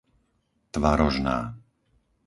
Tvarožná